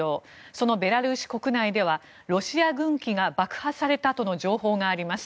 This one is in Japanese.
そのベラルーシ国内ではロシア軍機が爆破されたとの情報があります。